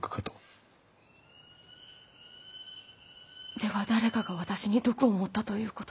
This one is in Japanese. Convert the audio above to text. では誰かが私に毒を盛ったということか。